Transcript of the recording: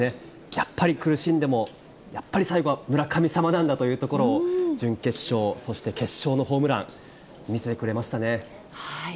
やっぱり苦しんでも、やっぱり最後は村神様なんだというところを、準決勝、そして決勝のホームラン、見せてくれましたね。